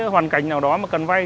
hoàn cảnh nào đó mà cần vay